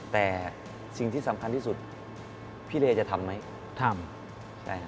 แต่สิ่งที่สำคัญที่สุดพี่เลจะทำไหมทำ